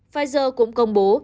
pfizer cũng công bố